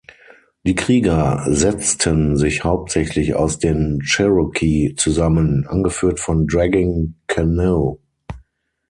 Die Krieger setzten sich hauptsächlich aus den Cherokee zusammen, angeführt von Dragging Canoe.